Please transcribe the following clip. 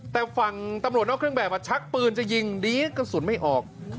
แต่ฝั่งตำรวจนอกเครื่องแบบชักปืนจะยิงดีกระสุนไม่ออก